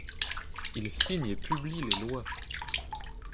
Il signe et publie les lois.